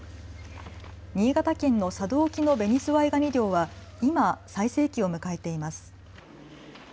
新潟県の佐渡沖のベニズワイガニ漁は今、最盛期を迎えています。